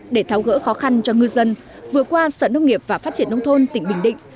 để tháo gỡ khó khăn cho ngư dân vừa qua sở nông nghiệp và phát triển nông thôn tỉnh bình định